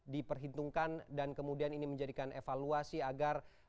diperhitungkan dan kemudian ini menjadikan evaluasi agar